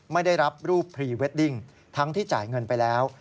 ไม่ได้รับรูปพรีเวดดิ้งทั้งที่จ่ายเงินไปแล้ว